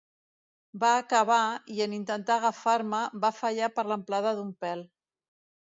Va acabar, i en intentar agafar-me, va fallar per l'amplada d'un pèl.